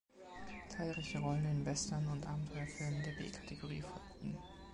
Zahlreiche Rollen in Western und Abenteuerfilmen der B-Kategorie folgten.